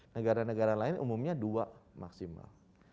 negara negara lain umumnya dua maksimal